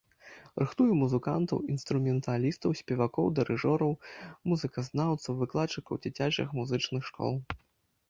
Рыхтуе музыкантаў-інструменталістаў, спевакоў, дырыжораў, музыказнаўцаў, выкладчыкаў дзіцячых музычных школ.